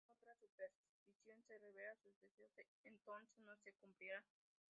Según otra superstición, si revela sus deseos, entonces no se cumplirán.